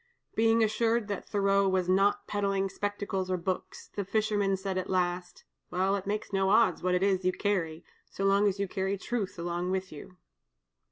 Being assured that Thoreau was not peddling spectacles or books, the fisherman said at last: "Well, it makes no odds what it is you carry, so long as you carry Truth along with you."